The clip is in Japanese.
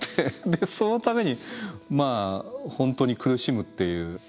でそのためにまあ本当に苦しむっていう。